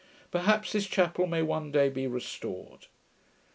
Perhaps this chapel may one day be restored.